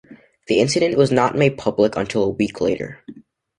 The incident was not made public until a week later.